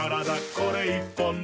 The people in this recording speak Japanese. これ１本で」